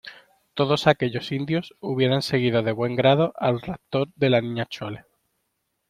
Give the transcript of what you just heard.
todos aquellos indios hubieran seguido de buen grado al raptor de la Niña Chole.